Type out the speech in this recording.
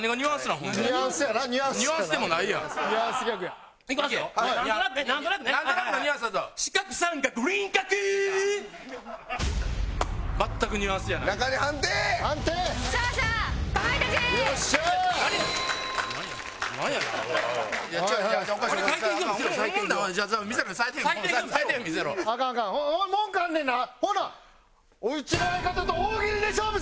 ほなうちの相方と大喜利で勝負せえや！